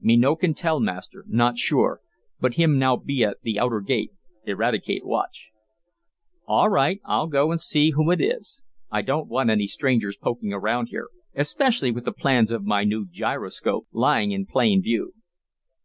"Me no can tell, Master. Not sure. But him now be at the outer gate. Eradicate watch." "All right. I'll go and see who it is. I don't want any strangers poking around here, especially with the plans of my new gyroscope lying in plain view."